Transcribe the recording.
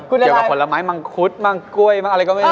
กลุ่มอะไรเกี่ยวกับผลไม้มังคุดมังกล้วยมันอะไรก็ไม่รู้